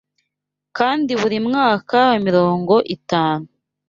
kandi buri mwaka wa mirongo itanu